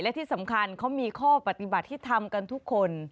และที่สำคัญเขามีข้อปฏิบัติที่ทำกันทุกคน